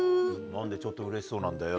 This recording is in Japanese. なんでちょっとうれしそうなんだよ。